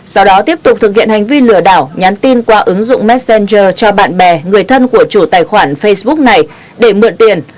sau đó tiếp tục thực hiện hành vi lừa đảo nhắn tin qua ứng dụng messenger cho bạn bè người thân của chủ tài khoản facebook này để mượn tiền